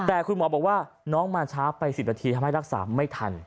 แต่คุณหมอบอกว่าน้องมาช้าไป๑๐นาทีทำให้รักษาไม่ทัน